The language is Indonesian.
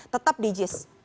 tetap di jis